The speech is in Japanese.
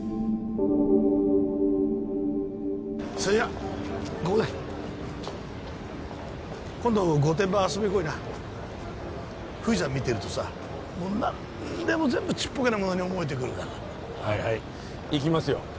それじゃここで今度御殿場遊びにこいな富士山見てるとさもう何でも全部ちっぽけなものに思えてくるからはいはい行きますよ